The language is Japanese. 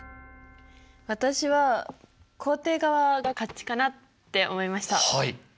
私は肯定側が勝ちかなって思いました。